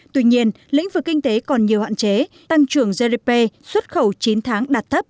tuy nhiên lĩnh vực kinh tế còn nhiều hạn chế tăng trưởng gdp xuất khẩu chín tháng đạt thấp